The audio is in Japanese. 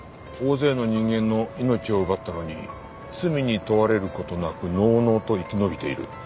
「大勢の人間の命を奪ったのに罪に問われることなくのうのうと生き延びている」